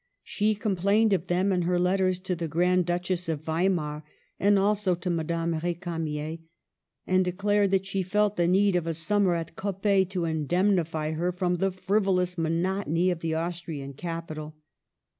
She complained of them in her letters to the Grand Duchess of Weimar, and also to Madame R6ca mier, and declared that she felt the need of a sum mer at Coppet to indemnify her for the frivolous monotony of the Austrian capital.